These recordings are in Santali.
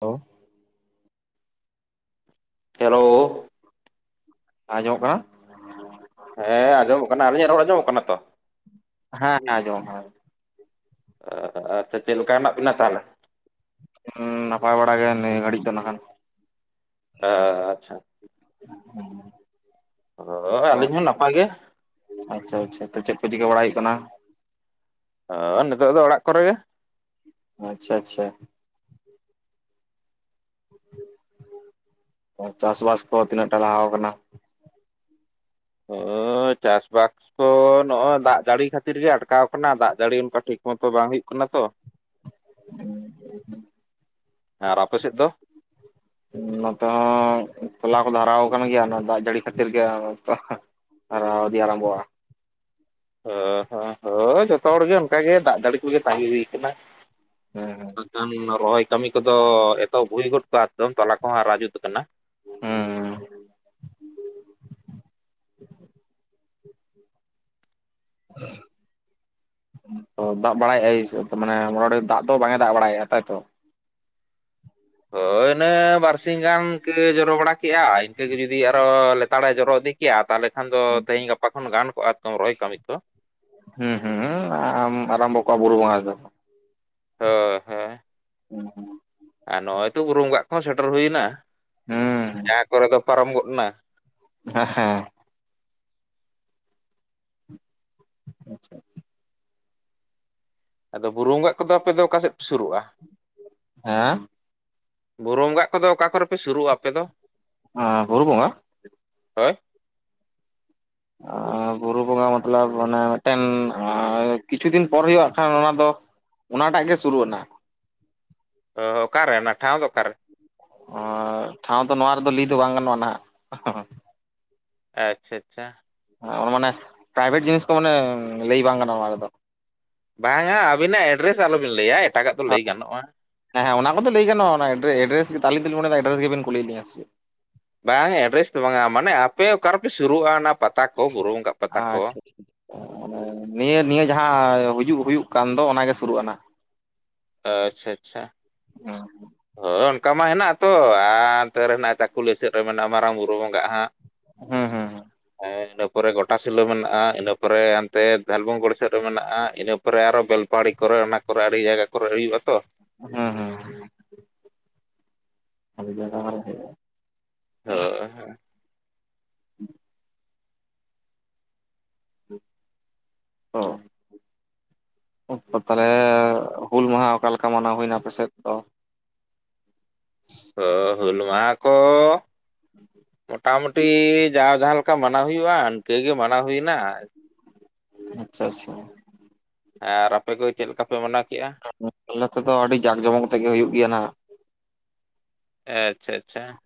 Hello hello. ᱟᱡᱚᱢᱚᱜ ᱠᱟᱱᱟ? ᱦᱮᱸ ᱟᱸᱡᱚᱢᱚᱜ ᱠᱟᱱᱟ ᱟᱹᱞᱤᱧᱟᱜ ᱨᱚᱲ ᱟᱸᱡᱚᱢᱚᱜ ᱠᱟᱱᱟ ᱛᱚ ᱦᱮᱸ ᱦᱮᱸ ᱟᱡᱚᱢ ᱟᱪᱪᱷᱟ ᱪᱮᱫ ᱞᱮᱠᱟ ᱦᱮᱱᱟᱜ ᱵᱤᱱᱟ ᱛᱟᱦᱚᱞᱮ? ᱦᱩᱸ ᱱᱟᱯᱟᱭ ᱵᱟᱲᱟ ᱜᱮ ᱱᱤᱭᱟᱹ ᱜᱷᱟᱹᱲᱤᱡ ᱫᱚ ᱱᱟᱠᱷᱟᱱ ᱦᱟ ᱟᱪᱪᱷᱟ ᱦᱮᱸ [unintelligible] ᱦᱩᱭ ᱟᱹᱞᱤᱧ ᱦᱚᱸ ᱱᱟᱯᱟᱭ ᱜᱮ᱾ ᱟᱪᱪᱷᱟ ᱟᱪᱷᱟ ᱛᱚ ᱪᱮᱫ ᱠᱚ ᱪᱤᱠᱟᱹ ᱵᱟᱲᱟᱭ ᱦᱩᱭᱩᱜ ᱠᱟᱱᱟ? ᱦᱳ ᱱᱤᱛᱚᱜ ᱫᱚ ᱚᱲᱟᱜ ᱠᱚᱨᱮ ᱜᱮ᱾ ᱟᱪᱪᱷᱟ ᱟᱪᱪᱷᱟ ᱪᱟᱥᱵᱟᱥ ᱠᱚ ᱛᱤᱱᱟᱹᱜᱴᱟ ᱞᱟᱦᱟᱣᱟ ᱠᱟᱱᱟ ᱾ ᱦᱩᱭ ᱪᱟᱥ ᱵᱟᱥ ᱛᱚ ᱱᱚᱜᱼᱚᱭ ᱫᱟᱜ ᱡᱟᱹᱲᱤ ᱠᱷᱟᱹᱛᱤᱨ ᱜᱮ ᱟᱴᱠᱟᱣ ᱠᱟᱱᱟ ᱫᱟᱜ ᱡᱟᱹᱲᱤ ᱚᱱᱠᱟ ᱴᱷᱤᱠ ᱢᱚᱛᱚ ᱵᱟᱝ ᱦᱩᱭᱩᱜ ᱠᱟᱱᱟ ᱛᱚ᱾ [inaudible] ᱟᱨ ᱟᱯᱮ ᱥᱮᱫ ᱫᱚ? ᱦᱮ [unintelligible] ᱱᱚᱛᱮ ᱦᱚᱸ ᱛᱚᱞᱟ ᱠᱚ ᱦᱟᱨᱟᱣ ᱟᱠᱟᱱ ᱜᱮᱭᱟ ᱚᱱᱟ ᱫᱟᱜ ᱡᱟᱹᱲᱤ ᱠᱷᱟᱹᱛᱤᱨ ᱜᱮ ᱟᱨᱟᱣ ᱟᱨᱟᱢᱵᱚᱣᱟ ᱦᱚᱸ ᱦᱚᱸ ᱡᱚᱛᱚ ᱦᱚᱲ ᱜᱮ ᱚᱱᱠᱟᱜ ᱜᱮ ᱫᱟᱜ ᱡᱟᱹᱲᱤ ᱠᱚᱜᱮ ᱛᱟᱸᱜᱤ ᱦᱩᱭ ᱠᱟᱱᱟ ᱦᱮᱸ ᱦᱮᱸ ᱟᱱ ᱨᱚᱦᱚᱭ ᱠᱟᱹᱢᱤ ᱠᱚᱫᱚ ᱮᱛᱚᱵᱷ ᱦᱩᱭ ᱜᱚᱫ ᱠᱚᱜᱼᱟ ᱮᱛᱚᱢ ᱛᱟᱞᱟ ᱠᱚᱦᱚᱸᱦᱟᱨᱟ ᱡᱩᱛ ᱠᱟᱱᱟ ᱾ ᱦᱮᱸ [inaudible] ᱛᱚ ᱫᱟᱜ ᱵᱟᱲᱟᱭᱮᱫᱟᱭ ᱢᱟᱱᱮ ᱢᱟᱴᱟ ᱢᱤᱴᱤ ᱫᱟᱜ ᱫᱚ ᱵᱟᱝ ᱮ ᱫᱟᱜ ᱵᱟᱲᱟᱭᱮᱫᱼᱟ ᱛᱟᱭᱛᱚ ᱦᱳᱭ ᱤᱱᱟᱹ ᱵᱟᱨᱥᱤ ᱜᱟᱱᱠᱟᱡᱹ ᱡᱚᱨᱚ ᱵᱟᱲᱟ ᱠᱮᱫᱮᱜᱼᱟ ᱤᱱᱠᱟᱹᱜ ᱜᱮ ᱡᱩᱫᱤ ᱟᱨᱚ ᱞᱮᱛᱟᱲᱮ ᱡᱚᱨᱚ ᱤᱫᱤ ᱠᱤᱭᱟ ᱛᱟᱦᱚᱞᱮ ᱠᱷᱟᱱ ᱫᱚ ᱛᱮᱦᱤᱧ ᱜᱟᱯᱟ ᱠᱷᱚᱱ ᱜᱟᱱ ᱠᱚᱜᱼᱟ ᱮ ᱨᱚᱦᱚᱭ ᱠᱟᱹᱢᱤ ᱠᱚ ᱦᱩᱸ ᱦᱩᱸ ᱟᱨᱟᱢᱵᱚ ᱠᱚᱣᱟ ᱵᱩᱨᱩ ᱵᱚᱸᱜᱟ ᱫᱚ ᱦᱳ ᱦᱳ [inaudible] ᱟᱨ ᱱᱚᱜᱼᱚᱭ ᱛᱚ ᱵᱩᱨᱩ ᱵᱚᱸᱜᱟᱜ ᱠᱚᱦᱚᱸ ᱥᱮᱴᱮᱨ ᱦᱩᱭᱱᱟ ᱦᱮᱸ ᱡᱟᱦᱟᱸ ᱠᱚᱨᱮ ᱫᱚ ᱯᱟᱨᱚᱢ ᱜᱚᱫ ᱮᱱᱟ ᱦᱮᱸ ᱦᱮᱸ [unintelligible] ᱟᱫᱚ ᱵᱩᱨᱩ ᱵᱚᱸᱜᱟᱜ ᱠᱚᱫᱚ ᱟᱯᱮ ᱫᱚ ᱚᱠᱟ ᱥᱮᱫ ᱯᱮ ᱥᱩᱨᱩᱜᱼᱟ? ᱟᱺ ᱵᱩᱨᱩ ᱵᱚᱸᱜᱟᱜ ᱠᱚᱫᱚ ᱚᱠᱟ ᱠᱚᱨᱮ ᱯᱮ ᱥᱩᱨᱩᱜᱼᱟ ᱟᱯᱮ ᱫᱚ? ᱚ ᱵᱩᱨᱩ ᱵᱚᱸᱜᱟ ᱦᱚᱭ ᱟᱨ ᱵᱩᱨᱩ ᱵᱚᱸᱜᱟ ᱢᱚᱛᱚ ᱠᱟᱱ ᱢᱮ ᱢᱤᱫ ᱴᱮᱱ ᱠᱤᱪᱷᱩ ᱫᱤᱱ ᱯᱚᱨ ᱦᱩᱭᱩᱜ ᱠᱷᱟᱱ ᱚᱱᱟ ᱫᱚ ᱚᱱᱟᱴᱟᱜ ᱜᱮ ᱥᱩᱨᱩᱜ ᱟᱟᱱᱟᱜ ᱚ ᱚᱠᱟᱨᱮ ᱚᱱᱟ ᱴᱷᱟᱶ ᱫᱚ ᱚᱠᱟᱨᱮ? ᱚᱸ ᱴᱷᱟᱶ ᱫᱚ ᱱᱚᱣᱟ ᱨᱮᱫᱚ ᱞᱟᱹᱭ ᱫᱚ ᱵᱟᱝ ᱜᱟᱱᱚᱜᱼᱟ ᱱᱟᱦᱟᱜ ᱟᱪᱪᱷᱟ ᱟᱪᱷᱟ ᱢᱟᱱᱮ, ᱯᱨᱟᱭᱵᱷᱮᱴ ᱡᱤᱱᱤᱥ ᱠᱚ ᱢᱟᱱᱮ ᱞᱟᱹᱭ ᱵᱟᱝ ᱠᱟᱱᱟ ᱚᱱᱟ ᱨᱮᱫᱚ ᱾ ᱵᱟᱝ ᱟ ᱟᱹᱵᱤᱱᱟᱜ ᱮᱰᱨᱮᱥ ᱟᱞᱚᱵᱤᱱ ᱞᱟᱹᱭ ᱟ ᱮᱴᱟᱜᱟᱜ ᱫᱚ ᱞᱟᱹᱭ ᱜᱟᱱᱚᱜᱼᱟ᱾ ᱦᱮᱸᱦᱮᱸ ᱚᱱᱟ ᱠᱚᱫᱚ ᱞᱟᱹᱭ ᱜᱟᱱᱚᱜ᱾ ᱚᱱᱟ ᱮᱰᱨᱮ ᱮᱰᱨᱮᱥ ᱜᱮ ᱛᱟᱹᱞᱤᱧ ᱮᱰᱨᱮᱥ ᱜᱮᱵᱮᱱ ᱠᱩᱞᱤ ᱞᱤᱧᱟ ᱥᱮ ᱪᱮᱫ? ᱵᱟᱝ ᱮᱰᱨᱮᱥ ᱫᱚ ᱵᱟᱝᱟ ᱢᱟᱱᱮ ᱟᱯᱮ ᱚᱠᱟ ᱨᱮᱯᱮ ᱥᱩᱨᱩᱜᱼᱟ ᱚᱱᱟ ᱯᱟᱛᱟ ᱠᱚ ᱵᱩᱨᱩᱢ ᱜᱟᱜ ᱯᱟᱛᱟ ᱠᱚ ᱟᱪᱪᱷᱟ ᱟᱪᱪᱷᱟ ᱱᱤᱭᱟᱹ ᱱᱤᱭᱟᱹ ᱡᱟᱦᱟᱸ ᱦᱩᱡᱩᱜ ᱦᱩᱭᱩᱜ ᱠᱟᱱ ᱫᱚ ᱚᱱᱟᱜᱮ ᱥᱩᱨᱩᱜ ᱟᱱᱦᱟᱜ ᱟᱪᱪᱷᱟ ᱟᱪᱪᱷᱟ ᱚᱸ ᱦᱚᱸᱜ ᱦᱳᱭ ᱚᱱᱠᱟ ᱢᱟ ᱦᱮᱱᱟᱜᱼᱟ ᱛᱚ ᱟᱨ ᱚᱱᱛᱮ ᱨᱮ ᱦᱮᱱᱟᱜ ᱪᱟᱠᱩᱞᱤᱭᱟᱹ ᱥᱮᱫ ᱨᱮ ᱢᱮᱱᱟᱜᱼᱟ ᱢᱟᱨᱟᱝ ᱵᱩᱨᱩ ᱵᱚᱸᱜᱟᱜ ᱦᱟᱸᱜ ᱦᱩᱸ ᱦᱩᱸ ᱦᱩᱸ ᱦᱮᱸ ᱤᱱᱟᱹ ᱯᱚᱨᱮ ᱜᱚᱴᱟᱥᱤᱞᱟᱹ ᱢᱮᱱᱟᱜᱼᱟ ᱤᱱᱟᱹ ᱯᱚᱨᱮ ᱦᱟᱱᱛᱮ ᱫᱷᱟᱞᱵᱷᱩᱝᱜᱩᱲᱤ ᱥᱮᱫ ᱨᱮ ᱢᱮᱱᱟᱜᱼᱟ ᱤᱱᱟᱹ ᱯᱚᱨᱮ ᱯᱚᱨᱮ ᱟᱨᱚ ᱵᱮᱞᱯᱟᱦᱟᱲᱤ ᱠᱚᱨᱮ ᱚᱱᱟ ᱠᱚᱨᱮ ᱟᱹᱰᱤ ᱡᱟᱭᱜᱟ ᱠᱚᱨᱮ ᱦᱩᱭᱩᱜᱼᱟ ᱛᱚ ᱦᱮᱸ ᱦᱮᱸ [unintelligible] ᱦᱳ ᱚᱭ ᱦᱳ [inaudible] [inaudible] ᱳ [inaudible] [inaudible] ᱛᱟᱦᱚᱞᱮ ᱦᱩᱞ ᱢᱟᱦᱟ ᱚᱠᱟ ᱞᱮᱠᱟ ᱢᱟᱱᱟᱣ ᱦᱩᱭᱱᱟ ᱟᱯᱮ ᱥᱮᱫ ᱫᱚ? ᱦᱚ ᱦᱩᱞ ᱢᱟᱦᱟᱸ ᱠᱚ [inaudible] ᱢᱚᱴᱟᱢᱩᱴᱤ ᱡᱟᱣ ᱡᱟᱦᱟᱸ ᱞᱮᱠᱟ ᱢᱟᱱᱟᱣ ᱦᱩᱭᱩᱜᱼᱟ ᱤᱱᱠᱟᱹ ᱜᱮ ᱢᱟᱱᱟᱣ ᱦᱩᱭᱱᱟ ᱟᱪᱪᱷᱟ ᱟᱪᱪᱷᱟ [unintelligible] ᱦᱮᱸ ᱟᱨ ᱟᱯᱮ ᱠᱚ ᱪᱮᱫ ᱞᱮᱠᱟ ᱯᱮ ᱢᱟᱱᱟᱣ ᱠᱮᱜᱼᱟ? ᱟᱞᱮ ᱛᱮᱫᱚ ᱟᱹᱰᱤ ᱡᱟᱸᱠ ᱡᱚᱢᱚᱠ ᱛᱮᱜᱮ ᱦᱩᱭᱩᱜ ᱜᱮᱭᱟ ᱱᱟᱦᱟᱜ ᱟᱪᱪᱷᱟ ᱟᱪᱷᱟ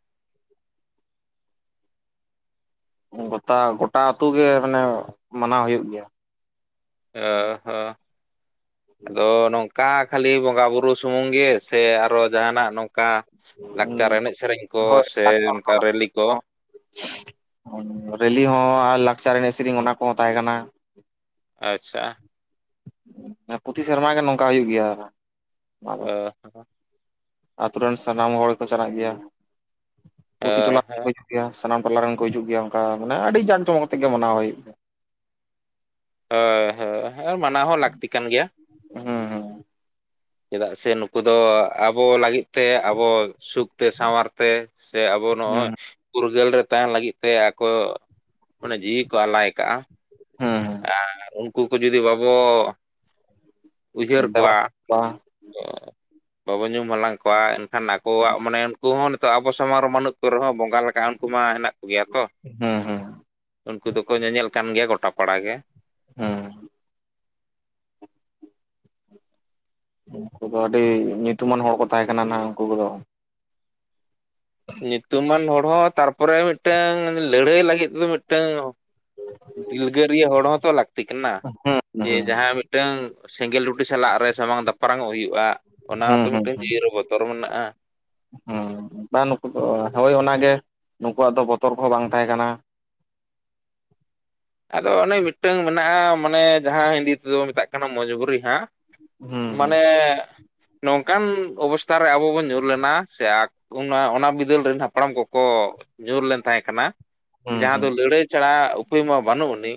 ᱜᱚᱛᱟ ᱜᱚᱴᱟ ᱟᱹᱛᱩ ᱜᱮ ᱢᱟᱱᱮ ᱢᱟᱱᱟᱣ ᱦᱩᱭᱩᱜ ᱜᱮᱭᱟ ᱚ ᱦᱚᱸ ᱟᱫᱚ ᱱᱚᱝᱼ ᱼᱠᱟ ᱠᱷᱟᱹᱞᱤ ᱵᱚᱸᱜᱟ ᱵᱩᱨᱩ ᱥᱩᱢᱩᱝ ᱜᱮ ᱥᱮ ᱟᱨᱚ ᱡᱟᱦᱟᱱᱟᱜ ᱱᱚᱝᱠᱟ ᱞᱟᱠᱪᱟᱨ ᱮᱱᱮᱡ ᱥᱮᱨᱮᱧ ᱠᱚ ᱦᱳᱭ ᱥᱮ ᱚᱱᱠᱟ ᱨᱮᱞᱤ ᱠᱚ ᱨᱮᱞᱤ ᱦᱚᱸ ᱟᱨ ᱞᱟᱠᱪᱟᱨ ᱮᱱᱮᱡ ᱥᱮᱨᱮᱧ ᱚᱱᱟ ᱠᱚᱦᱚᱸ ᱛᱟᱦᱮᱸ ᱠᱟᱱᱟ ᱟᱪᱪᱷᱟ ᱯᱩᱛᱷᱤ ᱥᱮᱨᱢᱟ ᱜᱮ ᱱᱚᱝᱠᱟ ᱦᱩᱭᱩᱜ ᱜᱮᱭᱟ ᱚᱦ ᱟᱛᱳ ᱨᱮᱱ ᱥᱟᱱᱟᱢ ᱦᱚᱲ ᱠᱚ ᱪᱟᱞᱟᱜ ᱜᱮᱭᱟ ᱯᱩᱛᱷᱤ ᱴᱚᱞᱟ ᱜᱮᱭᱟ ᱥᱟᱱᱟᱢ ᱴᱚᱞᱟ ᱨᱮᱱ ᱠᱚ ᱦᱤᱡᱩᱜ ᱜᱮᱭᱟ ᱚᱱᱠᱟ ᱢᱟᱱᱮ ᱟᱹᱰᱤ ᱡᱟᱠ ᱡᱚᱢᱚᱠ ᱠᱟᱛᱮᱜ ᱜᱮ ᱢᱟᱱᱟᱣ ᱦᱩᱭᱩᱜ ᱜᱮᱭᱟ ᱦᱳᱭ ᱦᱳᱭ ᱢᱟᱱᱟᱣ ᱦᱚᱸ ᱞᱟᱹᱠᱛᱤ ᱠᱟᱱ ᱜᱮᱭᱟ ᱦᱩᱸ ᱪᱮᱫᱟᱜ ᱥᱮ ᱱᱩᱠᱩ ᱫᱚ ᱟᱵᱚ ᱞᱟᱹᱜᱤᱫ ᱛᱮ ᱟᱵᱚ ᱥᱩᱠᱛᱮ ᱥᱟᱶᱟᱨ ᱛᱮ ᱥᱮ ᱟᱵᱚ ᱦᱩᱸ ᱱᱚᱜᱼᱚᱭ ᱯᱷᱩᱨᱜᱟᱹᱞ ᱨᱮ ᱛᱟᱦᱮᱱ ᱞᱟᱹᱜᱤᱫ ᱛᱮ ᱟᱠᱚ ᱚᱱᱮ ᱡᱤᱣᱤ ᱠᱚ ᱟᱞᱟᱭ ᱟᱠᱟᱜᱼᱟ ᱦᱩᱸ ᱟᱨ ᱩᱱᱠᱩ ᱠᱚ ᱡᱩᱫᱤ ᱵᱟᱵᱚ ᱦᱩᱸ ᱩᱭᱦᱟᱹᱨ ᱫᱮᱵᱟ ᱠᱚᱣᱟ ᱥᱮᱵᱟ [inaudible] ᱵᱟᱵᱚᱸ ᱧᱩᱢ ᱦᱟᱞᱟᱝ ᱠᱚᱣᱟ ᱮᱱᱠᱷᱟᱱ ᱟᱠᱚᱣᱟᱜ ᱢᱟᱱᱮ ᱼᱠᱩ ᱦᱚᱸ ᱱᱤᱛᱚᱜ ᱟᱵᱚ ᱥᱟᱢᱟᱝ ᱨᱮ ᱵᱟᱹᱱᱩᱜ ᱠᱚ ᱨᱮᱦᱚᱸ ᱵᱚᱸᱜᱟ ᱞᱮᱠᱟ ᱩᱱᱠᱩ ᱢᱟ ᱦᱮᱱᱟᱜ ᱠᱚᱜᱮᱭᱟ ᱛᱚ ᱦᱩᱸ ᱦᱩᱸ ᱩᱱᱠᱩ ᱫᱚᱠᱚ ᱧᱮᱧᱮᱞ ᱠᱟᱱ ᱜᱮᱭᱟ ᱜᱚᱴᱟ ᱯᱟᱲᱟ ᱜᱮ ᱦᱮᱸ ᱩᱱᱠᱩ ᱫᱚ ᱟᱹᱰᱤ ᱧᱩᱛᱩᱢᱟᱱ ᱦᱚᱲ ᱠᱚ ᱛᱟᱦᱮᱸ ᱠᱟᱱᱟ ᱱᱟᱜ ᱩᱱᱠᱩ ᱠᱚᱫᱚ᱾ ᱧᱩᱛᱩᱢᱟᱱ ᱦᱚᱲ ᱦᱚᱸ ᱛᱟᱨ ᱯᱚᱨᱮ ᱢᱤᱫᱴᱟᱝ ᱞᱟᱹᱲᱦᱟᱹᱭ ᱞᱟᱹᱜᱤᱫ ᱛᱮᱫᱚ ᱢᱤᱫᱴᱝ ᱫᱤᱞᱜᱟᱹᱨᱤᱭᱟᱹ ᱦᱚᱲ ᱦᱚᱸᱛᱚ ᱞᱟᱹᱠᱛᱤ ᱠᱟᱱᱟ ᱦᱩᱸ ᱡᱮ ᱦᱩᱸ ᱡᱟᱦᱟᱸ ᱢᱤᱫᱴᱟᱝ ᱥᱮᱸᱜᱮᱞ ᱴᱩᱴᱤ ᱥᱟᱞᱟᱜ ᱨᱮ ᱥᱟᱢᱟᱝ ᱫᱟᱯᱨᱟᱝ ᱚᱜ ᱦᱩᱭᱩᱜᱼᱟ ᱚᱱᱟ ᱦᱩᱸ ᱦᱚᱸᱛᱚ ᱢᱤᱫᱴᱮᱱ ᱡᱤᱣᱤ ᱨᱮ ᱵᱚᱛᱚᱨ ᱢᱮᱱᱟᱜᱼᱟ᱾ ᱦᱮᱸ ᱵᱟ ᱱᱩᱠᱩ ᱦᱳᱭ ᱚᱱᱟᱜᱮ ᱱᱩᱠᱩᱣᱟᱜ ᱫᱚ ᱵᱚᱛᱚᱨ ᱠᱚᱦᱚᱸ ᱵᱟᱝ ᱛᱟᱦᱮᱸ ᱠᱟᱱᱟ᱾ ᱟᱫᱚ ᱚᱱᱮ ᱢᱤᱫᱴᱟᱝ ᱢᱮᱱᱟᱜᱼᱟ ᱢᱟᱱᱮ ᱡᱟᱦᱟᱸ ᱦᱤᱱᱫᱤ ᱛᱮᱫᱚ ᱢᱮᱛᱟᱜ ᱠᱟᱱᱟ ᱢᱚᱡᱽᱵᱩᱨᱤ ᱦᱟᱸᱜ ᱦᱩᱸ ᱢᱟᱱᱮ ᱱᱚᱝᱠᱟᱱ ᱚᱵᱚᱥᱛᱷᱟ ᱨᱮ ᱟᱵᱚ ᱵᱚᱱ ᱧᱩᱨ ᱞᱮᱱᱟ ᱥᱮ ᱚᱱᱟ ᱚᱱᱟ ᱵᱤᱫᱟᱹᱞ ᱨᱮᱱ ᱦᱟᱯᱲᱟᱢ ᱠᱚᱠᱚ ᱧᱩᱨ ᱞᱮᱱ ᱛᱟᱦᱮᱸ ᱠᱟᱱᱟ ᱦᱩᱸ ᱡᱟᱦᱟᱸ ᱫᱚ ᱦᱩᱸ ᱞᱟᱹᱲᱦᱟᱹᱭ ᱪᱷᱟᱲᱟ ᱩᱯᱟᱹᱭ ᱢᱟ ᱵᱟᱹᱱᱩᱜ ᱟᱹᱱᱤᱡ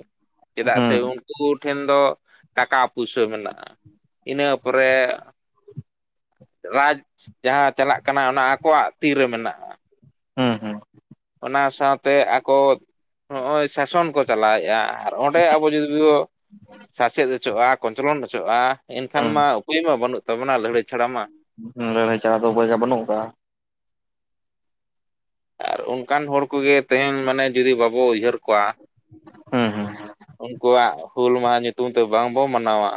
ᱪᱮᱫᱟᱜ ᱥᱮ ᱦᱩᱸ ᱩᱱᱠᱩ ᱴᱷᱮᱱ ᱫᱚ ᱴᱟᱠᱟ ᱯᱩᱭᱥᱟᱹ ᱢᱮᱱᱟᱜᱼᱟ ᱤᱱᱟᱹ ᱯᱚᱨᱮ ᱨᱟᱡᱽ ᱡᱟᱦᱟᱸ ᱪᱟᱞᱟᱜ ᱠᱟᱱᱟ ᱚᱱᱟ ᱟᱠᱚᱣᱟᱜ ᱛᱤᱨᱮ ᱢᱮᱱᱟᱜᱼᱟ ᱦᱮᱸ ᱦᱮᱸ ᱚᱱᱟ ᱥᱟᱶᱛᱮ ᱟᱠᱚ ᱱᱚᱜᱼᱚᱭ ᱥᱟᱥᱚᱱ ᱠᱚ ᱪᱟᱞᱟᱣᱮᱫᱼᱟ ᱟᱨ ᱚᱸᱰᱮ ᱟᱵᱚ ᱡᱩᱫᱤ ᱵᱚ ᱥᱟᱥᱮᱛ ᱦᱚᱪᱚᱜᱼᱟ ᱠᱚᱧᱪᱞᱚᱱ ᱚᱪᱚᱜᱼᱟ ᱮᱱᱠᱷᱟᱱ ᱦᱩᱸ ᱢᱟ ᱩᱯᱟᱹᱭ ᱢᱟ ᱵᱟᱹᱱᱩᱜ ᱛᱟᱵᱚᱱᱟ ᱞᱟᱹᱲᱦᱟᱹᱭ ᱪᱷᱟᱲᱟ ᱢᱟ ᱩᱸ ᱞᱟᱲᱦᱟᱭ ᱪᱷᱟᱲᱟ ᱫᱚ ᱩᱯᱟᱹᱭ ᱫᱚ ᱵᱟᱹᱱᱩᱜ ᱟᱠᱟᱜᱼᱟ᱾ ᱟᱨ ᱚᱱᱠᱟᱱ ᱦᱚᱲ ᱠᱚᱜᱮ ᱛᱮᱦᱮᱧ ᱢᱟᱱᱮ ᱡᱩᱫᱤ ᱵᱟᱵᱚ ᱩᱭᱦᱟᱹᱨ ᱠᱚᱣᱟ ᱦᱩᱸ ᱦᱩᱸ ᱩᱱᱠᱩᱣᱟᱜ ᱦᱩᱞ ᱢᱟᱦᱟ ᱧᱩᱛᱩᱢ ᱛᱮ ᱵᱟᱝ ᱵᱚ ᱢᱟᱱᱟᱣᱟ᱾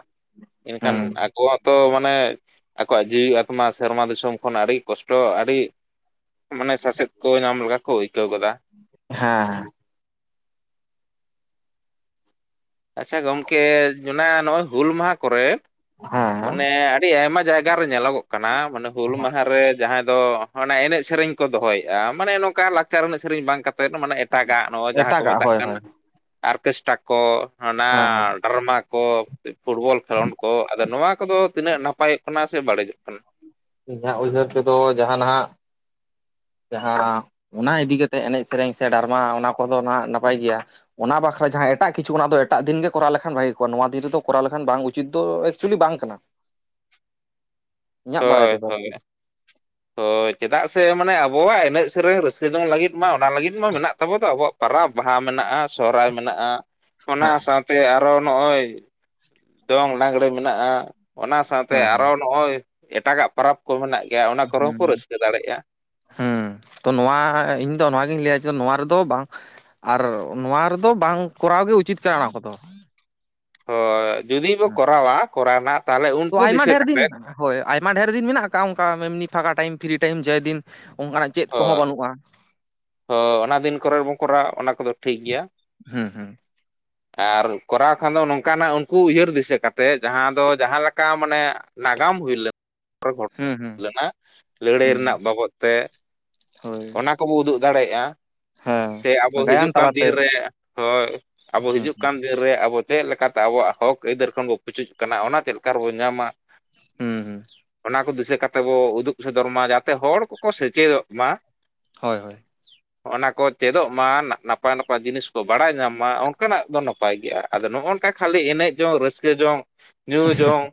ᱮᱱᱠᱷᱟᱱ ᱦᱩᱸ ᱟᱠᱚᱣᱟᱜ ᱛᱚ ᱢᱟᱱᱮ ᱟᱠᱚᱣᱟᱜ ᱡᱤᱣᱤ ᱟᱛᱢᱟ ᱥᱮᱨᱢᱟ ᱫᱤᱥᱚᱢ ᱠᱷᱚᱱ ᱟᱹᱰᱤ ᱠᱚᱥᱴᱚ ᱟᱹᱰᱤ ᱢᱟᱱᱮ ᱥᱟᱥᱮᱛ ᱠᱚ ᱧᱟᱢ ᱞᱮᱠᱟ ᱠᱚ ᱟᱹᱭᱠᱟᱹᱣ ᱜᱚᱫᱟ᱾ ᱦᱮᱸ ᱦᱮᱸ ᱟᱪᱪᱷᱟ ᱜᱚᱢᱠᱮ ᱚᱱᱟ ᱱᱚᱜᱼᱚᱭ ᱦᱩᱞ ᱢᱟᱦᱟ ᱠᱚᱨᱮ ᱦᱮᱸ ᱢᱟᱱᱮ ᱟᱹᱰᱤ ᱟᱭᱢᱟ ᱡᱟᱭᱜᱟ ᱨᱮ ᱧᱮᱞᱚᱜᱚᱜ ᱠᱟᱱᱟ ᱢᱟᱱᱮ ᱦᱩᱞ ᱢᱟᱦᱟ ᱨᱮ ᱡᱟᱦᱟᱸ ᱫᱚ᱾ ᱚᱱᱮ ᱮᱱᱮᱡ ᱥᱮᱨᱮᱧ ᱠᱚ ᱫᱚᱦᱚᱭᱮᱫᱼᱟ ᱢᱟᱱᱮ ᱱᱚᱝᱠᱟ ᱞᱟᱠᱪᱟᱨ ᱮᱱᱮᱡ ᱥᱮᱨᱮᱧ ᱵᱟᱝ ᱠᱟᱛᱮᱫ ᱢᱟᱱᱮ ᱮᱴᱟᱜᱟᱜ ᱱᱚᱜᱼᱚᱭ ᱡᱟᱦᱟᱸ ᱠᱚ ᱮᱴᱟᱜᱟᱜ ᱢᱮᱛᱟᱜ ᱦᱳᱭ ᱠᱟᱱᱟ ᱦᱳᱭ ᱦᱮᱸ ᱟᱨᱠᱮᱥᱴᱨᱟ ᱠᱚ, ᱚᱱᱟ ᱦᱮᱸ ᱰᱨᱟᱢᱟ ᱠᱚ ᱯᱷᱩᱴᱵᱚᱞ ᱠᱷᱮᱞᱳᱰ ᱠᱚ ᱟᱫᱚ ᱱᱚᱣᱟ ᱠᱚᱫᱚ ᱛᱤᱱᱟᱹᱜ ᱱᱟᱯᱟᱭᱚᱜ ᱠᱟᱱᱟ ᱥᱮ ᱵᱟᱹᱲᱤᱡᱚᱜ ᱠᱟᱱᱟ? ᱤᱧᱟᱹᱜ ᱩᱭᱦᱟᱹᱨ ᱛᱮᱫᱚ ᱡᱟᱦᱱᱟᱜ ᱡᱟᱦᱟᱸ ᱚᱱᱟ ᱤᱫᱤ ᱠᱟᱛᱮ ᱮᱱᱮᱡ ᱥᱮᱨᱮᱧ ᱥᱮ ᱰᱨᱢᱟ ᱚᱱᱟ ᱠᱚᱫᱚ ᱱᱟᱦᱟᱜ ᱱᱟᱯᱟᱭ ᱜᱮᱭᱟ᱾ ᱚᱱᱟ ᱵᱟᱠᱷᱨᱟ ᱡᱟᱦᱟᱸ ᱮᱴᱟᱜ ᱠᱤᱪᱷᱩ ᱚᱱᱟ ᱫᱚ ᱮᱴᱟᱜ ᱫᱤᱱ ᱜᱮ ᱠᱚᱨᱟᱣ ᱞᱮᱠᱷᱟᱱ ᱵᱷᱟᱜᱮ ᱠᱚᱜᱼᱟ ᱱᱚᱣᱟ ᱫᱤᱱ ᱨᱮᱫᱚ ᱠᱚᱨᱟᱣ ᱞᱮᱠᱷᱟᱱ ᱵᱟᱝ ᱩᱪᱤᱛ ᱫᱚ ᱮᱠᱪᱩᱭᱮᱞᱤ ᱵᱟᱝ ᱠᱟᱱᱟ᱾ ᱤᱧᱟᱹᱜ ᱵᱟᱲᱟᱭ ᱛᱮᱫᱚ [inaudible] [inaudible] ᱦᱳᱭ ᱪᱮᱫᱟᱜ ᱥᱮ ᱢᱟᱱᱮ ᱟᱵᱚᱣᱟᱜ ᱮᱱᱮᱡ ᱥᱮᱨᱮᱧ ᱨᱟᱹᱥᱠᱟᱹ ᱡᱚᱝ ᱞᱟᱹᱜᱤᱫ ᱢᱟ ᱚᱱᱟ ᱞᱟᱹᱜᱤᱫ ᱢᱟ ᱢᱮᱱᱟᱜ ᱛᱟᱵᱚ ᱫᱚ ᱟᱵᱚᱣᱟᱜ ᱯᱟᱨᱟᱽ ᱵᱟᱦᱟ ᱢᱮᱱᱟᱜᱼᱟ, ᱥᱚᱦᱨᱟᱭ ᱢᱮᱱᱟᱜᱼᱟ᱾ ᱚᱱᱟ ᱦᱮᱸ ᱥᱟᱶᱛᱮ ᱟᱨᱚ ᱱᱚᱜᱼᱚᱭ ᱫᱚᱝ ᱞᱟᱜᱽᱲᱮ ᱢᱮᱱᱟᱜᱼᱟ ᱾ ᱚᱱᱟ ᱥᱟᱶᱛᱮ ᱦᱮᱸ ᱟᱨᱚ ᱱᱚᱜᱼᱚᱭ, ᱮᱴᱟᱜᱟᱜ ᱯᱟᱨᱚᱵᱽ ᱠᱚ ᱢᱮᱱᱟᱜ ᱜᱮᱭᱟ ᱚᱱᱟ ᱠᱚᱨᱮ ᱦᱚᱸ ᱦᱩᱸ ᱠᱚ ᱨᱟᱹᱥᱠᱟᱹ ᱫᱟᱲᱮᱭᱟᱜᱼᱟ᱾ ᱦᱩᱸ ᱛᱚ ᱱᱚᱣᱟ ᱤᱧᱫᱚ ᱱᱚᱣᱟᱜᱤᱧ ᱞᱟᱹᱭᱟ ᱡᱮ ᱱᱚᱣᱟ ᱨᱮᱫᱚ ᱵᱟᱝ ᱟᱨ ᱱᱚᱣᱟ ᱨᱮᱫᱚ ᱵᱟᱝ ᱠᱚᱨᱟᱣ ᱜᱮ ᱩᱪᱤᱛ ᱠᱟᱱᱟ ᱚᱱᱟ ᱠᱚᱫᱚ᱾ ᱦᱳᱭ ᱡᱩᱫᱤ ᱵᱚ ᱠᱚᱨᱟᱣᱟ ᱠᱚᱨᱟᱣ ᱨᱮᱱᱟᱜ ᱛᱟᱦᱚᱞᱮ ᱛᱚ ᱩᱱᱠᱩ ᱟᱭᱢᱟ ᱫᱤᱥᱟᱹ ᱰᱷᱮᱨ ᱫᱤᱱ ᱠᱟᱛᱮᱫ ᱦᱳᱭ ᱟᱭᱢᱟ ᱰᱷᱮᱨ ᱫᱤᱱ ᱢᱮᱱᱟᱜ ᱟᱠᱟᱫ ᱚᱱᱠᱟ ᱮᱢᱱᱤ ᱯᱷᱟᱸᱠᱟ ᱴᱟᱭᱤᱢ ᱯᱷᱤᱨᱤ ᱴᱟᱭᱤᱢ ᱡᱮ ᱫᱤᱱ ᱚᱱᱠᱟᱱᱟᱜ ᱪᱮᱫ ᱠᱚᱦᱚᱸ ᱵᱟᱹᱱᱩᱜᱼᱟ? ᱦᱳ ᱚᱱᱟ ᱫᱤᱱ ᱠᱚᱨᱮ ᱵᱚᱱ ᱠᱚᱨᱟᱣ ᱚᱱᱟ ᱠᱚᱫᱚ ᱴᱷᱤᱠ ᱜᱮᱭᱟ᱾ ᱦᱩᱸ ᱦᱩᱸ ᱟᱨ ᱠᱚᱨᱟᱣ ᱠᱷᱟᱱ ᱫᱚ ᱱᱚᱝᱠᱟᱱᱟᱜ ᱩᱱᱠᱩ ᱩᱭᱦᱟᱹᱨ ᱫᱤᱥᱟᱹ ᱠᱟᱛᱮ ᱡᱟᱦᱟᱸ ᱫᱚ ᱡᱟᱦᱟᱸ ᱞᱮᱠᱟ ᱢᱟᱱᱮ ᱱᱟᱜᱟᱢ ᱦᱩᱭ ᱞᱮᱱᱟ ᱜᱷᱚᱴ ᱦᱩᱸ [inaudible] ᱦᱩᱸ ᱦᱩᱭ ᱞᱮᱱᱟ ᱞᱟᱹᱲᱦᱟᱹᱭ ᱦᱩᱸ ᱨᱮᱱᱟᱜ ᱵᱟᱵᱚᱫ ᱛᱮ᱾ ᱦᱳᱭ ᱚᱱᱟ ᱠᱚᱵᱚ ᱩᱫᱩᱜ ᱫᱟᱲᱮᱭᱟᱜᱼᱟ᱾ ᱦᱮᱸ ᱥᱮ ᱟᱵᱚ ᱜᱟᱭᱟᱱ ᱦᱤᱡᱩᱜ ᱠᱟᱱ ᱛᱟᱞᱟᱛᱮ ᱫᱤᱱ ᱨᱮ ᱦᱳᱭ ᱟᱵᱚ ᱦᱩᱸ ᱦᱤᱡᱩᱜ ᱠᱟᱱ ᱫᱤᱱ ᱨᱮ ᱟᱵᱚ ᱪᱮᱫ ᱞᱮᱠᱟᱛᱮ ᱟᱵᱚᱣᱟᱜ ᱦᱚᱠ ᱟᱹᱭᱫᱟᱹᱨ ᱠᱷᱚᱱ ᱵᱚ ᱯᱩᱪᱩᱡ ᱠᱟᱱᱟ ᱚᱱᱟ ᱪᱮᱫ ᱞᱮᱠᱟ ᱨᱮᱵᱚᱱ ᱧᱟᱢᱟ? ᱦᱩᱸ ᱦᱩᱸ ᱚᱱᱟ ᱠᱚ ᱫᱤᱥᱟᱹ ᱠᱟᱛᱮ ᱵᱚ ᱩᱫᱩᱜ ᱥᱚᱫᱚᱨ ᱢᱟ ᱡᱟᱛᱮ ᱦᱚᱲ ᱠᱚᱠᱚ ᱥᱮᱪᱮᱫᱚᱜ ᱢᱟ, ᱦᱳᱭ ᱦᱳᱭ ᱚᱱᱟ ᱠᱚ ᱪᱮᱫᱚᱜ ᱢᱟ ᱱᱟᱯᱟᱭ ᱱᱟᱯᱟᱭ ᱡᱤᱱᱤᱥ ᱠᱚ ᱵᱟᱰᱟᱭ ᱧᱟᱢ ᱢᱟ ᱚᱱᱠᱟᱱᱟᱜ ᱫᱚ ᱱᱟᱯᱟᱭ ᱜᱮᱭᱟ ᱟᱫᱚ ᱱᱚᱜᱼᱚ ᱱᱚᱝᱠᱟ ᱠᱷᱟᱹᱞᱤ ᱮᱱᱮᱡ ᱡᱚᱝ ᱨᱟᱹᱥᱠᱟᱹ ᱡᱚᱝ ᱧᱩ ᱡᱚᱝ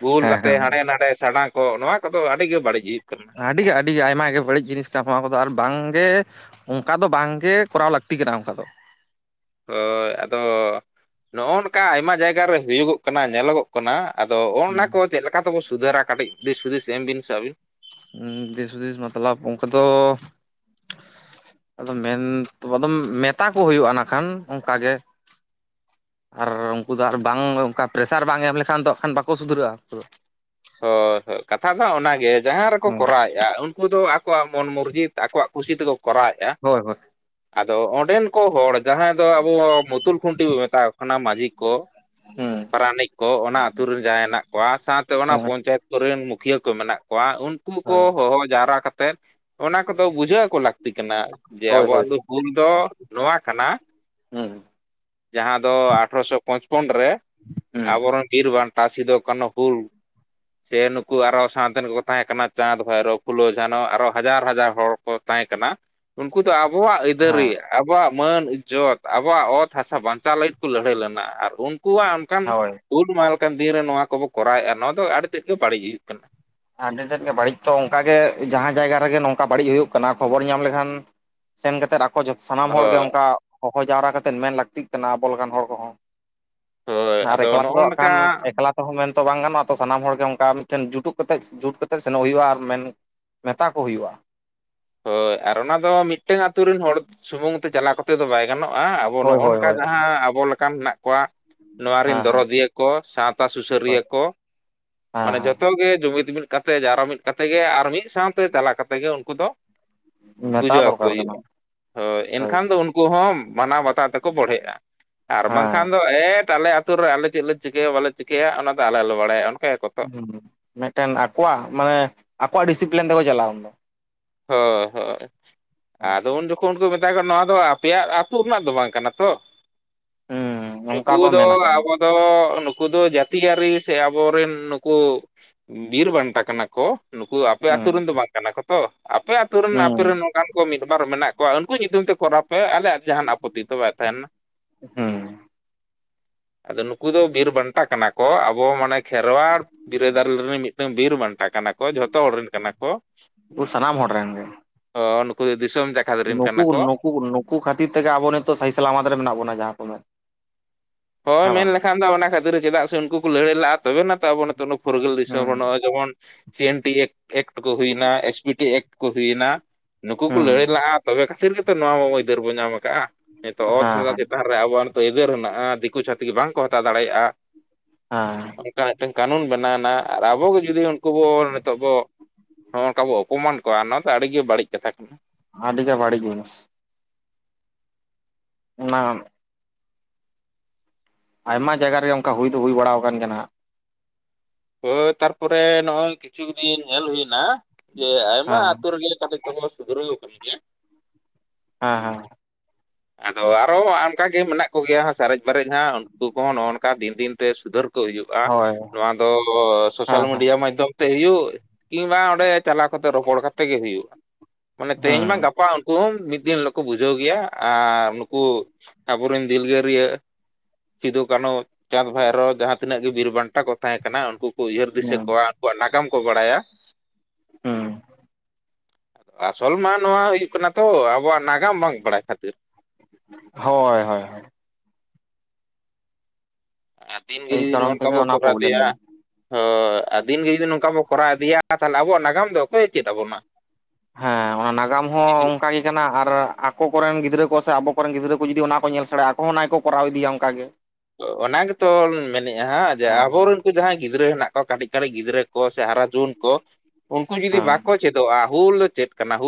ᱵᱷᱩᱞ ᱦᱮᱸ ᱠᱟᱛᱮ ᱦᱮᱸ ᱦᱟᱸᱰᱮ ᱱᱟᱰᱮ ᱥᱮᱰᱟᱝ ᱠᱚᱜ ᱱᱚᱣᱟ ᱠᱚᱫᱚ ᱟᱹᱰᱤᱜᱮ ᱵᱟᱹᱲᱤᱡ ᱦᱩᱭᱩᱜ ᱠᱟᱱᱟ᱾ ᱟᱹᱰᱤ ᱜᱮ ᱟᱹᱰᱤ ᱜᱮ ᱟᱭᱢᱟ ᱜᱮ ᱵᱟᱹᱲᱤᱡ ᱡᱤᱱᱤᱥ ᱠᱟᱱᱟ ᱱᱚᱣᱟ ᱠᱚᱫᱚ ᱟᱨ ᱵᱟᱝᱜᱮ ᱚᱱᱠᱟ ᱫᱚ ᱵᱟᱝᱜᱮ ᱠᱚᱨᱟᱣ ᱞᱟᱹᱠᱛᱤ ᱠᱟᱱᱟ ᱚᱱᱠᱟ ᱫᱚ᱾ ᱦᱳᱭ ᱟᱫᱚ ᱱᱚᱜᱼᱚ ᱱᱚᱝᱠᱟ ᱟᱭᱢᱟ ᱡᱟᱭᱜᱟ ᱨᱮ ᱦᱩᱭᱩᱜᱚᱜ ᱠᱟᱱᱟ ᱧᱮᱞᱚᱜᱚᱜ ᱠᱟᱱᱟ ᱟᱫᱚ ᱚ ᱚᱱᱟ ᱠᱚ ᱪᱮᱫ ᱞᱮᱠᱟ ᱛᱮᱵᱚ ᱥᱩᱫᱷᱟᱹᱨᱟ ᱾ ᱠᱟᱹᱴᱤᱡ ᱫᱤᱥ ᱦᱩᱫᱤᱥ ᱮᱢ ᱵᱤᱱ ᱥᱮ ᱟᱹᱵᱤᱱ? ᱫᱤᱥ ᱦᱩᱫᱤᱥ ᱢᱚᱛᱞᱚᱵ ᱚᱱᱠᱟ ᱫᱚ᱾ ᱟᱫᱚ ᱢᱮᱱ ᱟᱫᱚᱢ ᱢᱮᱛᱟ ᱠᱚ ᱦᱩᱭᱩᱜᱼᱟ ᱱᱟᱠᱷᱟᱱ ᱚᱝᱠᱟ ᱜᱮ ᱟᱨ ᱩᱱᱠᱩ ᱫᱚ ᱟᱨ ᱵᱟᱝ ᱚᱱᱠᱟ ᱯᱮᱥᱟᱨ ᱵᱟᱝ ᱮᱢ ᱞᱮᱠᱷᱟᱱ ᱫᱚ ᱠᱷᱟᱱ ᱵᱟᱠᱚ ᱥᱩᱫᱷᱩᱨᱟᱹᱜᱼᱟ ᱩᱱᱠᱩ ᱫᱚ᱾ ᱦᱳᱭ ᱦᱳᱭ ᱠᱟᱛᱷᱟ ᱫᱚ ᱚᱱᱟᱜᱮ ᱡᱟᱦᱟᱸ ᱨᱮᱠᱚ ᱦᱮᱸ ᱠᱚᱨᱟᱣᱮᱫᱼᱟ ᱩᱱ ᱩᱱᱠᱩ ᱫᱚ ᱟᱠᱚᱣᱟᱜ ᱢᱚᱱ ᱢᱩᱨᱡᱤᱛ ᱟᱠᱚᱣᱟᱜ ᱠᱩᱥᱤ ᱛᱮᱠᱚ ᱠᱚᱨᱟᱣᱮᱫᱼᱟ᱾ ᱦᱳᱭ ᱦᱳᱭ ᱟᱫᱚ ᱚᱸᱰᱮᱱ ᱠᱚ ᱦᱚᱲ ᱡᱟᱦᱟᱸᱭ ᱫᱚ ᱟᱵᱚ ᱢᱩᱛᱩᱞ ᱠᱷᱩᱱᱴᱤ ᱵᱚ ᱢᱮᱛᱣᱟ ᱚᱱᱟ ᱢᱟᱺᱡᱷᱤ ᱠᱚ, ᱦᱩᱸ ᱯᱟᱨᱟᱱᱤᱠ ᱠᱚ, ᱚᱱᱟ ᱟᱛᱳ ᱨᱮᱱ ᱡᱟᱦᱟᱸᱭ ᱦᱮᱱᱟᱜ ᱠᱚᱣᱟ ᱾ ᱥᱟᱶᱛᱮ ᱚᱱᱟ ᱦᱮᱸ ᱯᱧᱪᱟᱭᱮᱛ ᱠᱚᱨᱮᱱ ᱢᱩᱠᱷᱤᱭᱟᱹ ᱠᱚ ᱢᱮᱱᱟᱜ ᱠᱚᱣᱟ ᱾ ᱩᱱᱠᱩ ᱠᱚ ᱦᱮᱸ ᱦᱚᱦᱚ ᱡᱟᱣᱨᱟ ᱠᱟ ᱠᱟᱛᱮᱫ ᱾ ᱚᱱᱟ ᱠᱚᱫᱚ ᱵᱩᱡᱷᱟᱹᱣ ᱟᱠᱚ ᱞᱟᱹᱠᱛᱤ ᱠᱟᱱᱟ ᱾ ᱡᱮ ᱦᱳᱭ ᱟᱵᱚᱣᱟᱜ ᱦᱳᱭ ᱫᱚ ᱦᱩᱞ ᱫᱚ ᱱᱚᱣᱟ ᱠᱟᱱᱟ ᱾ ᱦᱩᱸ ᱡᱟᱦᱟᱸ ᱫᱚ ᱟᱴᱷᱨᱚᱥᱚ ᱯᱚᱪᱯᱚᱱ ᱨᱮ ᱦᱩᱸ ᱾ ᱟᱵᱚᱨᱮᱱ ᱵᱤᱨ ᱵᱟᱱᱴᱟ ᱥᱤᱫᱩ ᱠᱟᱱᱩ ᱦᱩᱞ ᱥᱮ ᱱᱩᱠᱩ ᱟᱨᱚ ᱥᱟᱶᱛᱮ ᱠᱚᱠᱚ ᱛᱟᱦᱮᱸ ᱠᱟᱱᱟ ᱪᱟᱸᱫᱽ ᱵᱷᱟᱭᱨᱳ, ᱯᱷᱩᱞᱳ ᱡᱷᱟᱱᱚ, ᱟᱨ ᱦᱚᱸ ᱦᱟᱡᱟᱨ ᱦᱟᱡᱟᱨ ᱦᱚᱲ ᱺ ᱛᱟᱦᱮᱸ ᱠᱟᱱᱟ ᱩᱱᱠᱩ ᱫᱚ ᱟᱵᱚᱣᱟᱜ ᱟᱹᱭᱫᱟᱹᱨᱤ ᱦᱮᱸ ᱟᱵᱚᱣᱟᱜ ᱢᱟᱹᱱ ᱤᱡᱽᱡᱚᱛ ᱟᱵᱚᱣᱟᱜ ᱚᱛ ᱦᱟᱥᱟ ᱵᱟᱧᱪᱟᱣ ᱞᱟᱹᱜᱤᱫ ᱠᱚ ᱞᱟᱹᱲᱦᱟᱹᱭ ᱞᱮᱱᱟ ᱾ ᱟᱨ ᱩᱱᱠᱩᱣᱟᱜ ᱚᱱᱠᱟᱱ ᱦᱳᱭ ᱩᱞ ᱢᱟᱦ ᱞᱮᱠᱟᱱ ᱫᱤᱱ ᱨᱮ ᱱᱚᱣᱟ ᱠᱚᱵᱚ ᱠᱚᱨᱟᱣᱮᱫᱼᱟ ᱱᱚᱣᱟ ᱫᱚ ᱟᱹᱰᱤ ᱛᱮᱫ ᱜᱮ ᱵᱟᱹᱲᱤᱡ ᱦᱩᱭᱩᱜ ᱠᱟᱱᱟ᱾ ᱟᱹᱰᱤ ᱛᱮᱫ ᱜᱮ ᱵᱟᱹᱲᱤᱡ ᱛᱚ ᱚᱱᱠᱟᱜᱮ ᱡᱟᱦᱟᱸ ᱡᱟᱭᱜᱟ ᱨᱮᱜᱮ ᱱᱚᱝᱠᱟ ᱵᱟᱹᱲᱤᱡ ᱦᱩᱭᱩᱜ ᱠᱟᱱᱟ ᱾ ᱠᱷᱚᱵᱚᱨ ᱧᱟᱢ ᱞᱮᱠᱷᱟᱱ ᱥᱮᱱ ᱠᱟᱛᱮᱮᱫ ᱟᱠᱚᱚᱛᱚ ᱥᱟᱱᱟᱢ ᱦᱚᱲᱜᱮ ᱦᱳᱭ ᱚᱱᱠᱟ ᱦᱚᱦᱚ ᱡᱟᱣᱨᱟ ᱠᱟ ᱠᱟᱛᱮᱮᱫ ᱢᱮᱱ ᱞᱟᱹᱠᱛᱤᱜ ᱠᱟᱱᱟ ᱟᱵᱚ ᱞᱮᱠᱟᱱ ᱦᱚᱲ ᱠᱚᱦᱚᱸ ᱦᱳᱭ ᱾ ᱟᱨ ᱟᱫᱚ ᱮᱠᱞᱟ ᱱᱚᱜᱼᱚ ᱛᱮᱫᱚ ᱦᱜ ᱱᱚᱝᱠᱟ ᱠᱷᱟᱱ ᱮᱠᱞᱟ ᱛᱮᱦᱚᱸ ᱢᱮᱱᱛᱮᱚ ᱵᱟᱝ ᱜᱟᱱᱚᱜᱼᱟ ᱾ ᱟᱨ ᱛᱚ ᱥᱟᱱᱟᱢ ᱦᱚᱲᱜᱮ ᱚᱱᱠᱟ ᱢᱤᱫᱴᱮᱱ ᱡᱩᱴᱩᱜ ᱠᱟᱛᱮᱫ ᱡᱩᱴ ᱠᱟᱛᱮᱮᱫ ᱥᱮᱱᱚᱜ ᱦᱩᱭᱩᱜᱼᱟ ᱾ ᱟᱨ ᱢᱮᱱ ᱢᱮᱛᱟ ᱠᱚ ᱦᱩᱭᱩᱜᱼᱟ ᱾ ᱦᱳᱭ ᱟᱨ ᱚᱱᱟ ᱫᱚ, ᱢᱤᱫᱴᱟᱝ ᱟᱛᱳ ᱨᱮᱱ ᱦᱚᱲ ᱥᱩᱢᱩᱝ ᱛᱮ ᱪᱟᱞᱟᱣ ᱠᱟᱛᱮ ᱫᱚ ᱵᱟᱭ ᱜᱟᱱᱚᱜᱼᱟ ᱟᱵᱚ ᱦᱳᱭ ᱱᱚᱜᱼᱚ ᱦᱳᱭ ᱱᱚᱝᱠᱟ ᱦᱳᱭ ᱡᱟᱦᱟᱸ ᱟᱵᱚ ᱞᱮᱠᱟᱱ ᱢᱮᱱᱟᱜ ᱠᱚᱣᱟ᱾ ᱱᱚᱣᱟ ᱨᱮᱱ ᱦᱮᱸ ᱦᱮᱸ ᱫᱚᱨᱚᱫᱤᱭᱟᱹ ᱠᱚ ᱾ ᱥᱟᱶᱛᱟ ᱦᱳᱭ ᱥᱩᱥᱟᱹᱨᱤᱭᱟᱹ ᱠᱚ ᱾ ᱦᱮᱸ ᱢᱟᱱᱮ ᱦᱮᱸ ᱡᱚᱛᱚ ᱜᱮ ᱡᱩᱢᱤᱫ ᱢᱤᱫ ᱠᱟᱛᱮ ᱡᱟᱨᱚ ᱢᱤᱫ ᱠᱟᱛᱮ ᱜᱮ ᱟᱨ ᱢᱤᱫ ᱥᱟᱶᱛᱮ ᱪᱟᱞᱟᱣ ᱠᱟᱛᱮᱜ ᱜᱮ, ᱩᱱᱠᱩ ᱫᱚ ᱢᱮᱛᱟ ᱵᱩᱡᱷᱟᱹᱣ ᱟᱠᱚ ᱫᱚᱨᱠᱟᱨ ᱠᱟᱱᱟ ᱦᱩᱭᱩᱜᱼᱟ ᱾ ᱦᱳᱭ ᱮᱱᱠᱷᱟᱱ ᱫᱚ ᱩᱱ ᱩᱱᱠᱩ ᱦᱚᱸ ᱢᱟᱱᱟᱣ ᱵᱟᱛᱟᱟᱣ ᱛᱮᱠᱚ ᱵᱚᱲᱦᱮᱜᱼᱟ ᱾ ᱟᱨ ᱵᱟᱝᱠᱷᱟᱱ ᱦᱮᱸ ᱮᱴ ᱟᱞᱮ ᱟᱛᱳ ᱨᱮ ᱟᱞᱮ ᱪᱮᱫ ᱞᱮ ᱪᱤᱠᱟᱹᱭᱟ ᱵᱟᱞᱮ ᱪᱤᱠᱟᱹᱭᱟ ᱚᱱᱟ ᱫᱚ ᱟᱞᱮ ᱞᱮ ᱵᱟᱲᱟᱭᱟ ᱚᱱᱠᱟᱭᱟᱠᱚ ᱛᱚ ᱦᱩᱸ ᱦᱩᱸ ᱢᱤᱫᱴᱮᱱ ᱟᱠᱚᱣᱟᱜ ᱢᱟᱱᱮ ᱟᱠᱚᱣᱟᱜ ᱰᱤᱥᱤᱯᱞᱤᱱ ᱛᱮᱠᱚ ᱪᱟᱞᱟᱣ ᱩᱱ ᱫᱚ, ᱦᱳᱭ ᱦᱳᱭ, ᱟᱫᱚ ᱩᱱ ᱡᱚᱠᱷᱚᱱ ᱩᱱᱠᱩ ᱢᱮ ᱱᱚᱣᱟ ᱫᱚ ᱟᱯᱮᱭᱟᱜ ᱟ ᱟᱹᱛᱩ ᱨᱮᱱᱟᱜ ᱫᱚ ᱵᱟᱝ ᱠᱟᱱᱟ ᱛᱚ ᱦᱩᱸ ᱚᱱᱠᱟ ᱱᱩᱠᱩ ᱠᱚ ᱫᱚ ᱢᱮᱱᱟᱠᱚ ᱟᱵᱚ ᱫᱚ ᱱᱩᱠᱩ ᱫᱚ ᱡᱟᱹᱛᱤᱭᱟᱹᱨᱤ ᱥᱮ ᱟᱵᱚᱨᱮᱱ ᱱᱩᱠᱩ ᱵᱤᱨ ᱵᱟᱱᱴᱟ ᱠᱟᱱᱟ ᱠᱚ ᱾ ᱱᱩᱠᱩ ᱟᱯᱮ ᱟᱛᱩ ᱦᱩᱸ ᱨᱮᱱ ᱫᱚ ᱵᱟᱝ ᱠᱟᱱᱟ ᱠᱚ ᱛᱚ ᱟᱯᱮ ᱟᱛᱩ ᱨᱮᱱ ᱟᱯᱮ ᱦᱩᱸ ᱨᱮᱱ ᱱᱚᱝᱠᱟᱱ ᱢᱤᱫ ᱵᱟᱨ ᱢᱮᱱᱟᱜ ᱠᱚᱣᱟ ᱾ ᱩᱱᱠᱩ ᱧᱩᱛᱩᱢ ᱛᱮ ᱠᱚᱨᱟ ᱦᱟᱭ ᱟᱞᱮᱭᱟᱜ ᱡᱟᱦᱟᱱ ᱟᱯᱚᱛᱤ ᱫᱚ ᱵᱟᱭ ᱛᱟᱦᱮᱱᱟ ᱾ ᱟᱫᱚ ᱱᱩᱠᱩ ᱫᱚ ᱵᱤᱨ ᱵᱟᱱᱴᱟ ᱠᱟᱱᱟ ᱠᱚ ᱾ ᱠᱚ ᱟᱵᱚ ᱢᱟᱱᱮ ᱠᱷᱮᱨᱣᱟᱲ ᱵᱤᱨᱟᱹᱫᱟᱨ ᱨᱤᱱ ᱢᱤᱫᱴᱟᱝ ᱵᱤᱨ ᱵᱟᱱᱴᱟ ᱠᱟᱱᱟ ᱠᱚ, ᱡᱷᱚᱛᱚ ᱦᱚᱲ ᱨᱮᱱ ᱠᱟᱱᱟ ᱠᱚ ᱾ ᱟᱵᱚ ᱥᱟᱱᱟᱢ ᱦᱚᱲ ᱨᱮᱱ ᱜᱮ, ᱚ ᱱᱩᱠᱩ ᱫᱤᱥᱚᱢ ᱡᱟ ᱱᱩᱠᱩ ᱱᱩ ᱱᱩᱠᱩ ᱠᱷᱟᱹᱛᱤᱨ ᱛᱮᱜᱮ ᱟᱵᱚ ᱱᱤᱛᱚᱜ ᱥᱟᱭ ᱥᱟᱞᱟᱢᱟᱛ ᱨᱮ ᱢᱮᱱᱟᱜ ᱵᱚᱱᱟ ᱾ ᱡᱟᱦᱟᱸ ᱠᱚ ᱢᱮ ᱦᱳᱭ ᱢᱮᱱ ᱞᱮᱠᱷᱟᱱ ᱫᱚ ᱚᱱᱟ ᱠᱷᱟᱹᱛᱤᱨ ᱪᱮᱫᱟᱜ ᱥᱮ ᱩᱱᱠᱩ ᱠᱚ ᱞᱟᱹᱲᱦᱟᱹᱭ ᱞᱟᱜᱼᱟ ᱾ ᱛᱚᱵᱮ ᱱᱟᱛᱚ ᱟᱵᱚ ᱱᱤᱛᱚᱜ ᱯᱷᱩᱨᱜᱟᱹᱞ ᱫᱤᱥᱚᱢ ᱦᱩᱸ ᱵᱟᱹᱱᱚᱜᱼᱟ ᱡᱮᱢᱚᱱ ᱥᱤ ᱮᱱ ᱴᱤ ᱮ ᱮᱠᱴ ᱠᱚ ᱦᱩᱭᱮᱱᱟ ᱾ ᱮᱥ ᱯᱤ ᱴᱤ ᱮᱠᱴ ᱠᱚ ᱦᱩᱭᱱᱟ ᱾ ᱱᱩᱠᱩ ᱠᱚ ᱦᱩᱸ ᱞᱟᱹᱲᱦᱟᱹᱭ ᱞᱮᱜᱼᱟ ᱛᱚᱵᱮ ᱠᱷᱟᱹᱛᱤᱨ ᱜᱮᱛᱚ ᱱᱚᱣᱟ ᱢᱟ ᱟᱹᱭᱫᱟᱹᱨ ᱵᱚᱱ ᱧᱟᱢ ᱠᱟᱜᱼᱟ ᱾ ᱱᱤᱛᱚᱜ ᱚᱛ ᱦᱮᱸ ᱦᱟᱥᱟ ᱦᱮᱸ ᱰᱟᱦᱟᱨ ᱨᱮ ᱟᱵᱚᱣᱟᱜ ᱱᱤᱛᱚᱜ ᱮᱭᱫᱮᱨ ᱦᱮᱱᱟᱜᱼᱟ ᱫᱤᱠᱩ ᱪᱷᱟᱹᱛᱤᱠ ᱵᱟᱝᱠᱚ ᱦᱟᱛᱟᱣ ᱫᱟᱲᱮᱭᱟᱜᱼᱟ᱾ ᱦᱮᱸ᱾ ᱚᱱᱠᱟ ᱢᱤᱫᱴᱟᱝ ᱠᱟᱹᱱᱩᱱ ᱵᱮᱱᱟᱣᱱᱟ ᱟᱨ ᱟᱵᱚᱜᱮ ᱡᱩᱫᱤ ᱩᱱᱠᱩ ᱵᱚ ᱱᱤᱛᱚᱜ ᱵᱚ ᱱᱚᱜᱼᱚ ᱱᱚᱝᱠᱟ ᱵᱚ ᱚᱯᱚᱢᱟᱱ ᱠᱚᱣᱟ ᱱᱚᱣᱟ ᱫᱚ ᱟᱹᱰᱤᱜᱮ ᱵᱟᱹᱲᱤᱡ ᱠᱟᱛᱷᱟ ᱠᱟᱱᱟ ᱾ ᱟᱹᱰᱤ ᱜᱮ ᱵᱟᱲᱤᱡ ᱡᱤᱱᱤᱥ ᱚᱱᱟ ᱟᱭᱢᱟ ᱡᱟᱭᱜᱟ ᱨᱮᱜ ᱚᱱᱠᱟ ᱦᱩᱭ ᱫᱚ ᱦᱩᱭ ᱵᱟᱲᱟ ᱟᱠᱟᱱ ᱜᱮ ᱦᱟᱜ ᱾ ᱦᱳ ᱛᱟᱨᱯᱚᱨᱮ ᱱᱚᱜᱚᱭ ᱠᱤᱪᱷᱩ ᱫᱤᱱ ᱧᱮᱞ ᱦᱩᱭᱱᱟ ᱾ ᱡᱮ ᱟᱭᱢᱟ ᱦᱮᱸ ᱟᱛᱳ ᱨᱮᱜᱮ ᱠᱟᱹᱴᱤᱡ ᱛ ᱠᱚ ᱥᱩᱫᱷᱨᱟᱣ ᱠᱟᱱ ᱜᱮᱭᱟ ᱾ [unintelligible] ᱟᱫᱚ ᱟᱨᱚ ᱚᱱᱠᱟᱜ ᱜᱮ ᱢᱮᱱᱟᱜ ᱠᱚ ᱜᱮᱭᱟ ᱦᱟᱸᱜ, ᱥᱟᱨᱮᱡ ᱯᱮᱨᱮᱮᱡ ᱦᱟᱸᱜ ᱩᱱᱠᱩ ᱠᱚᱦᱚᱸ ᱱᱚᱜᱼᱚ, ᱱᱚᱝᱠᱟ ᱫᱤᱱ ᱫᱤᱱᱛᱮ ᱥᱩᱫᱷᱟᱹᱨ ᱠᱚ ᱦᱩᱭᱩᱜᱼᱟ ᱦᱳᱭ ᱱᱚᱣᱟ ᱫᱚ ᱥᱳᱥᱟᱞ ᱦᱮᱸ ᱦᱮᱸ ᱢᱤᱰᱤᱭᱟ ᱢᱟᱫᱽᱫᱷᱚᱢ ᱦᱩᱭᱩᱜ ᱠᱤᱝᱵᱟ ᱚᱸᱰᱮ ᱪᱟᱞᱟᱣ ᱠᱟᱛᱮ ᱨᱚᱯᱚᱲ ᱠᱟᱛᱮ ᱜᱮ ᱦᱩᱭᱩᱜᱼᱟ ᱾ ᱢᱟᱱᱮ ᱛᱮᱦᱮᱧ ᱢᱟ ᱦᱩᱸ ᱜᱟᱯᱟ ᱩᱝᱠᱩ ᱦᱚᱸ ᱢᱤᱫ ᱫᱤᱱ ᱦᱤᱞᱳᱜ ᱠᱚ ᱵᱩᱡᱷᱟᱹᱣ ᱜᱮᱭᱟ᱾ ᱟᱨ ᱱᱩᱠᱩ ᱟᱵᱚᱨᱮᱱ ᱫᱤᱞᱜᱟᱹᱨᱭᱟᱹ᱾ ᱥᱤᱫᱩ ᱠᱟᱱᱩ ᱪᱟᱸᱫᱽ ᱵᱷᱟᱭᱨᱳ ᱡᱟᱦᱟᱸ ᱛᱤᱱᱟᱹᱜ ᱜᱮ ᱵᱤᱨ ᱵᱟᱱᱴᱟ ᱠᱚ ᱛᱟᱦᱮᱸ ᱠᱟᱱᱟ ᱩᱱᱠᱩ ᱠᱚ ᱩᱭᱦᱟᱹᱨ ᱫᱤᱥᱟᱹ ᱦᱩᱸ ᱠᱚᱣᱟ, ᱩᱱᱠᱩᱣᱟᱜ ᱱᱟᱜᱟᱢ ᱠᱚ ᱵᱟᱲᱟᱭᱟ᱾ ᱦᱩᱸ ᱟᱥᱚᱞ ᱢᱟ ᱱᱚᱣᱟ ᱦᱩᱭᱩᱜ ᱠᱟᱱᱟ ᱛᱚ ᱟᱵᱚᱣᱟᱜ ᱱᱟᱜᱟᱢ᱾ ᱵᱟᱝ ᱵᱟᱲᱟᱭ ᱠᱷᱟᱹᱛᱤᱨ ᱦᱳᱭ ᱦᱳᱭ᱾ ᱦᱳᱭ ᱫᱤᱱ ᱜᱤ ᱮᱭ ᱡᱩᱫᱤ ᱠᱟᱨᱚᱱ ᱱᱚᱜ-ᱚᱝᱠᱟ ᱛᱮᱜᱮ ᱵᱚ ᱚᱱᱟ ᱠᱚᱨᱟᱣ ᱯᱨᱚᱵᱞᱮᱢ ᱤᱫᱤᱭᱟ᱾ ᱫᱚ ᱦᱳᱭ ᱟᱨ ᱫᱤᱱᱜᱮ ᱡᱩᱫᱤ ᱱᱚᱝᱠᱟ ᱵᱚ ᱠᱚᱨᱟᱣ ᱤᱫᱤᱭᱟ ᱛᱟᱦᱞᱮ ᱟᱵᱚᱣᱟᱜ ᱱᱟᱜᱟᱢ ᱫᱚ ᱚᱠᱚᱭᱮ ᱪᱮᱫ ᱟᱵᱚᱱᱟ? ᱦᱮᱸ ᱚᱱᱟ ᱱᱟᱜᱟᱢ ᱦᱚᱸ᱾ ᱦᱤᱡᱩᱜ ᱚᱝᱠᱟ ᱜᱮ ᱠᱟᱱᱟ ᱟᱨ ᱟᱠᱚ ᱠᱚᱨᱮᱱ ᱜᱤᱫᱽᱨᱟᱹ ᱠᱚ ᱥᱮ ᱟᱵᱚ ᱠᱚᱨᱮᱱ ᱜᱤᱫᱽᱨᱟᱹ ᱠᱚ ᱡᱩᱫᱤ ᱚᱱᱟ ᱠᱚ ᱧᱮᱞ ᱥᱮᱬᱟᱭᱟ ᱟᱠᱚ ᱦᱚᱸ ᱚᱱᱟ ᱜᱮᱠᱚ ᱠᱚᱨᱟᱣ ᱤᱫᱤᱭᱟ ᱚᱝᱠᱟ ᱜᱮ᱾ ᱚᱱᱟ ᱜᱮᱛᱚ ᱢᱮᱱᱮᱫᱼᱟ ᱦᱟᱸᱜ ᱡᱮ ᱦᱮᱸ ᱟᱵᱚᱨᱮᱱ᱾ ᱩᱱᱠᱩ ᱡᱟᱦᱟᱸᱭ ᱜᱤᱫᱽᱨᱟᱹ ᱦᱮᱱᱟᱜ ᱠᱚᱣᱟ ᱠᱟᱹᱴᱤᱡ ᱠᱟᱹᱴᱤᱡ ᱜᱤᱫᱽᱨᱟᱹ ᱠᱚ ᱥᱮ ᱦᱟᱨᱟ ᱡᱩᱣᱟᱹᱱ ᱠᱚ ᱩᱱᱠᱩ ᱡᱩᱫᱤ ᱦᱮᱸ ᱵᱟᱠᱚ ᱪᱮᱫᱚᱜᱼᱟ ᱦᱩᱞ ᱫᱚ ᱪᱮᱫ ᱠᱟᱱᱟ ᱦᱩᱼᱼ